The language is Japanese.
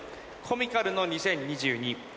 コミカルの２０２２。